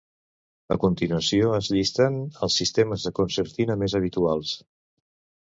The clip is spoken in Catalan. A continuació es llisten els sistemes de concertina més habituals.